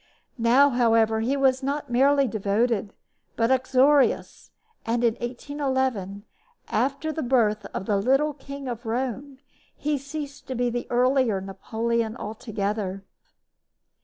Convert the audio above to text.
Now, however, he was not merely devoted, but uxorious; and in 1811, after the birth of the little King of Rome, he ceased to be the earlier Napoleon altogether.